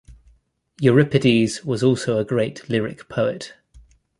Euripides was also a great lyric poet.